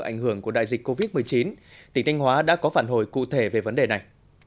ảnh hưởng của đại dịch covid một mươi chín tỉnh thanh hóa đã có phản hồi cụ thể về vấn đề này